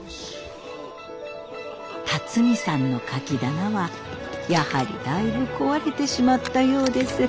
龍己さんのカキ棚はやはりだいぶ壊れてしまったようです。